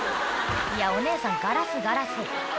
いやお姉さんガラスガラス